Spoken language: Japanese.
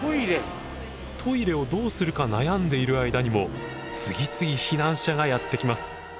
トイレをどうするか悩んでいる間にも次々避難者がやって来ます。